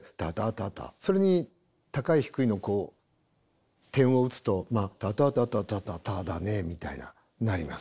それに高い低いの点を打つと「タタタタタタタだね」みたいななります。